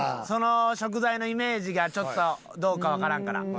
その食材のイメージがちょっとどうかわからんから。